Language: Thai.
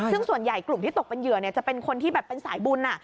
ซึ่งส่วนใหญ่กลุ่มที่ตกเป็นเหยื่อจะเป็นคนที่แบบเป็นสายบุญ